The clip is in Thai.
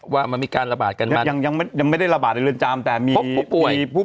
ว่ามันมีการระบาดกันไหมยังยังไม่ได้ระบาดในเรือนจำแต่มีผู้ป่วยมีผู้